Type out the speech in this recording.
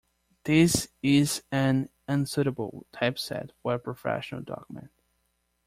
This is an unsuitable typeset for a professional document.